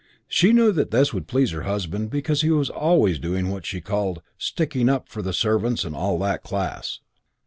She knew that this would please her husband because he was always doing what she called "sticking up for the servants and all that class."